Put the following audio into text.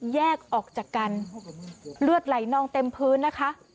แยกออกจากกันเลือดไหลนองเต็มพื้นนะคะ